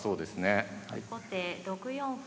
後手６四歩。